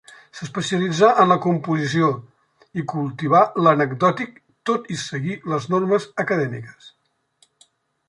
S'especialitzà en la composició i cultivà l'anecdòtic tot i seguir les normes acadèmiques.